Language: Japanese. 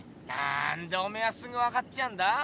なんでおめえはすぐ分かっちゃうんだ？